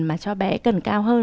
mà cho bé cần cao hơn